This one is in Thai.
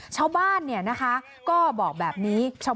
ชาวบ้านก็บอกแบบนี้